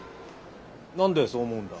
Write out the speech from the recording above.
何でそう思うんだ？